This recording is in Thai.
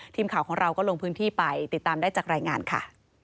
ทีมข่าวของเราก็ลงพื้นที่ไปติดตามได้จากรายงานค่ะ